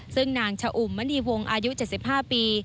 ซึ่งนางชะอุ่มมณีวงอายุ๗๕ปี